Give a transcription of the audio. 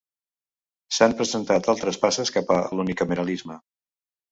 S'han presentat altres passes cap a l'unicameralisme.